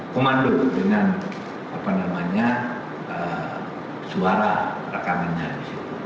komando dengan suara rekamannya di situ